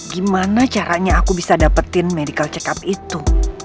gimana caranya aku bisa dapetin medical check up itu